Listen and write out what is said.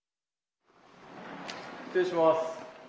失礼します。